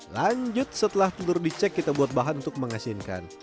lanjut setelah telur dicek kita buat bahan untuk menghasinkan